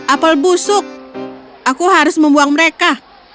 apel busuk aku harus membuang mereka